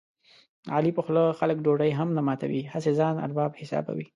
د علي په خوله خلک ډوډۍ هم نه ماتوي، هسې ځان ارباب حسابوي.